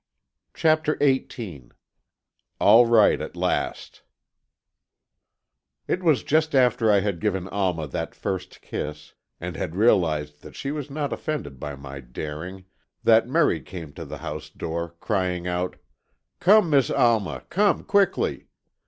CHAPTER XVIII ALL RIGHT AT LAST It was just after I had given Alma that first kiss, and had realized that she was not offended by my daring, that Merry came to the house door, crying out, "Come, Miss Alma, come quickly!"